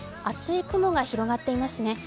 厚い雲が広がっていますね。